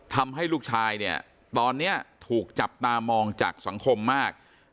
ทำให้ลูกชายเนี่ยตอนนี้ถูกจับตามองจากสังคมมาก